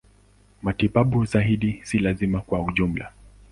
Matibabu zaidi si lazima kwa ujumla.